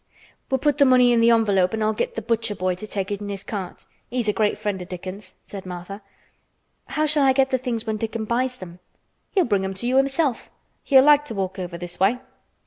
"We'll put the money in th' envelope an' I'll get th' butcher boy to take it in his cart. He's a great friend o' Dickon's," said Martha. "How shall I get the things when Dickon buys them?" "He'll bring 'em to you himself. He'll like to walk over this way."